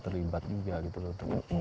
terlibat juga gitu loh